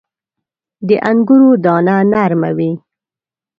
• د انګورو دانه نرمه وي.